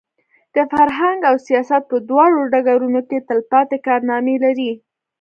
د فرهنګ او سیاست په دواړو ډګرونو کې تلپاتې کارنامې لري.